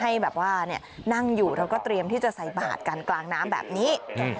ให้แบบว่านั่งอยู่แล้วก็เตรียมที่จะใส่บาดกันกลางน้ำแบบนี้